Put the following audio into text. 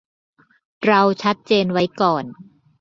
เราชัดเจนไว้ก่อน